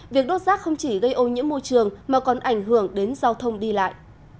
việc đốt rác không chỉ gây ô nhiễm môi trường mà còn ảnh hưởng đến giao thông đi lại